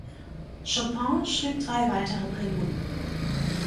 Chopin schrieb drei weitere Preluden.